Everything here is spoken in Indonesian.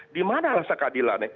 di mana rasa keadilan